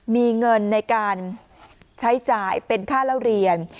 มีเงินในการใช้จ่ายเป็นค่าเล่าเรียน